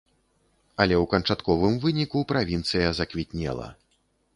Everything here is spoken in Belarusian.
Але ў канчатковым выніку правінцыя заквітнела.